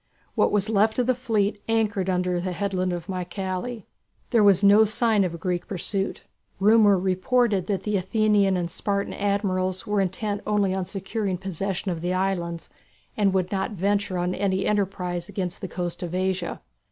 What was left of the fleet anchored under the headland of Mycale. There was no sign of a Greek pursuit. Rumour reported that the Athenian and Spartan admirals were intent only on securing possession of the islands, and would not venture on any enterprise against the coast of Asia.